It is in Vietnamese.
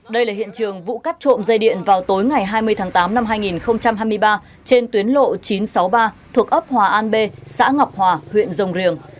đây là hiện trường vụ cắt trộm dây điện vào tối ngày hai mươi tháng tám năm hai nghìn hai mươi ba trên tuyến lộ chín trăm sáu mươi ba thuộc ấp hòa an b xã ngọc hòa huyện rồng riềng